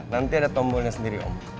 nanti ada tombolnya sendiri om